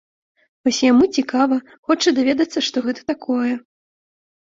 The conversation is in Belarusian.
Вось яму цікава, хоча даведацца, што гэта такое.